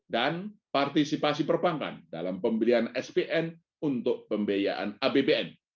dan partisipasi perbankan dalam pembelian spn untuk pembiayaan abbn